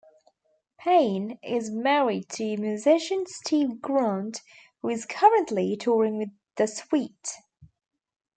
Payne is married to musician Steve Grant who is currently touring with The Sweet.